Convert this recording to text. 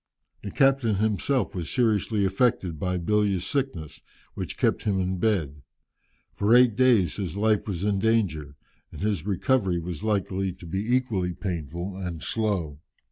The captain himself was seriously affected by bilious sickness, which kept him in bed. For eight days his life was in danger, and his recovery was likely to be equally painful and slow.